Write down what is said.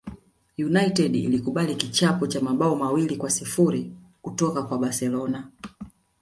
united ilikubali kichapo cha mabao mawili kwa sifuri kutoka kwa barcelona